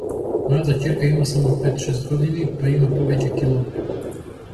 Мојата ќерка има само пет-шест години, па има повеќе кила од него.